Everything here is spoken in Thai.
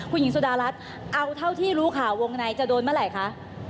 คุณหญิงสุดารัฐเอาเท่าที่รู้ข่าววงในจะโดนเมื่อไหร่คะ